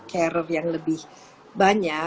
carer yang lebih banyak